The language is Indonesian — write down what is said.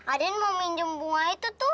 ah den mau minjem bunga itu tuh